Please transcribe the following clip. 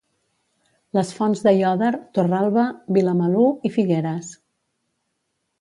les Fonts d'Aiòder, Torralba, Vilamalur i Figueres.